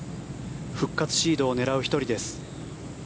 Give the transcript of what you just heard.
復活シードを狙う１人です。